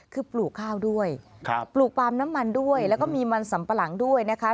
คือปลูกข้าวด้วยปลูกปาล์มน้ำมันด้วยแล้วก็มีมันสำปะหลังด้วยนะคะ